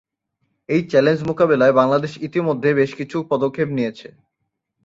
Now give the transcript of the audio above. এই চ্যালেঞ্জ মোকাবিলায় বাংলাদেশ ইতোমধ্যে বেশ কিছু পদক্ষেপ নিয়েছে।